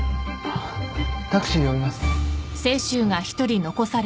タクシー呼びますよ。